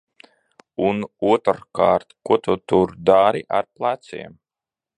Un, otrkārt, ko tu tur dari ar pleciem?